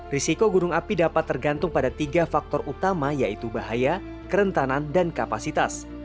risiko gunung api dapat tergantung pada tiga faktor utama yaitu bahaya kerentanan dan kapasitas